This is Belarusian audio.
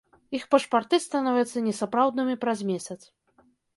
Іх пашпарты становяцца несапраўднымі праз месяц.